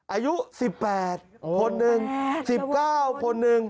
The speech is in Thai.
อายุ๑๘คนหนึ่ง๑๙คนหนึ่ง